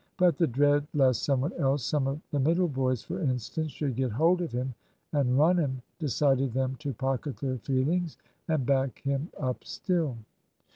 But the dread lest some one else, some of the middle boys, for instance, should get hold of him and "run" him, decided them to pocket their feelings and back him up still.